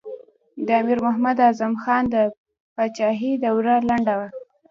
د امیر محمد اعظم خان د پاچهۍ دوره لنډه وه.